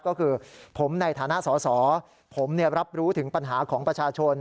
ก็คือผมในฐานะสอสอผมรับรู้ถึงปัญหาของประชาชน